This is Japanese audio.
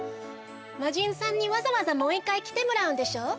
まじんさんにわざわざもう１かいきてもらうんでしょ？